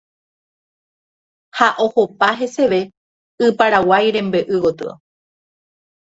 ha ohopa heseve y Paraguái rembe'y gotyo.